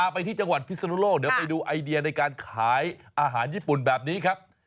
ไปที่จังหวัดพิศนุโลกเดี๋ยวไปดูไอเดียในการขายอาหารญี่ปุ่นแบบนี้ครับ